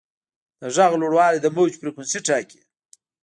د غږ لوړوالی د موج فریکونسي ټاکي.